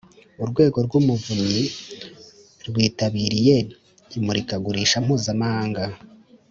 urwego rw’umuvunyi rwitabiriye imurikagurisha mpuzamahanga